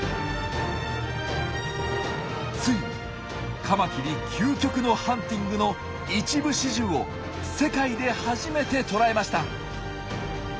ついにカマキリ究極のハンティングの一部始終を世界で初めて捉えました！